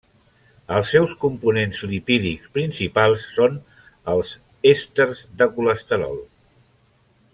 Els seus components lipídics principals són els èsters de colesterol.